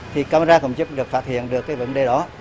thì camera cũng giúp được phát hiện được cái vấn đề đó